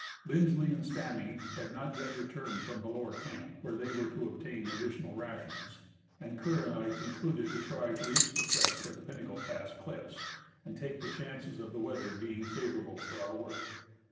Lindsley and Stamy had not yet returned from the lower camp, where they were to obtain additional rations ; and Kerr and I concluded to try to reach the crest of the Pin nacle pass cliffs and take the chances of the weather being favor able for our Avork.